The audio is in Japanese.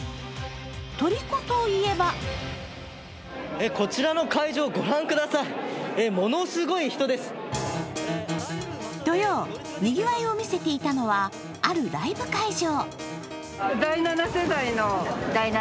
とりこといえば土曜にぎわいを見せていたのはあるライブ会場。